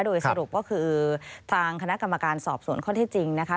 โดยสรุปก็คือทางคณะกรรมการสอบสวนข้อที่จริงนะคะ